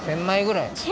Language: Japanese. １，０００まいぐらい。